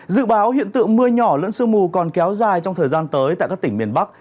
dự báo hiện tượng mưa nhỏ lẫn sương mù còn kéo dài trong thời gian tới tại các tỉnh miền bắc